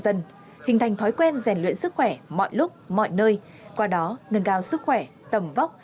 dân hình thành thói quen rèn luyện sức khỏe mọi lúc mọi nơi qua đó nâng cao sức khỏe tầm vóc